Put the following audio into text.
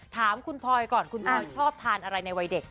ถามคุณพลอยก่อนคุณพลอยชอบทานอะไรในวัยเด็ก